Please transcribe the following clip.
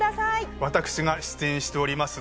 私が出演しております